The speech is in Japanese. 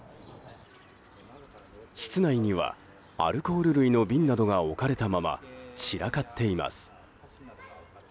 室内にはアルコール類の瓶などが置かれたまま散らかっています。